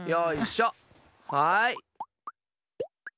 はい。